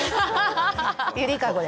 揺りかごで。